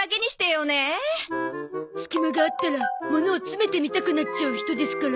すき間があったらものを詰めてみたくなっちゃう人ですから。